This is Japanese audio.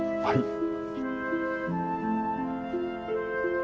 はい。